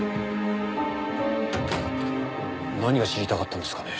何が知りたかったんですかね？